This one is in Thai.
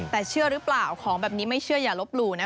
แต่เชื่อหรือเปล่าของแบบนี้ไม่เชื่ออย่าลบหลู่นะ